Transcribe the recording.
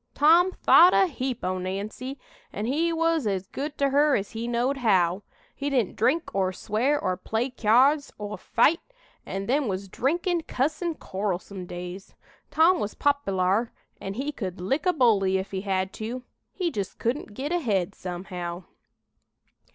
Tom thought a heap o' Nancy, an' he was as good to her as he knowed how. He didn't drink or swear or play cyards or fight, an' them was drinkin', cussin', quarrelsome days. Tom was popylar, an' he could lick a bully if he had to. He jist couldn't git ahead, somehow."